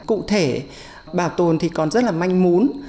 cụ thể bảo tồn thì còn rất là manh mún